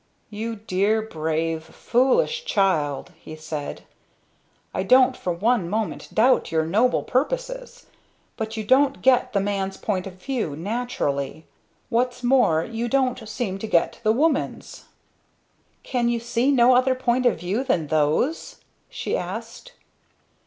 "You dear, brave, foolish child!" he said. "I don't for one moment doubt your noble purposes. But you don't get the man's point of view naturally. What's more you don't seem to get the woman's." "Can you see no other point of view than those?" she asked.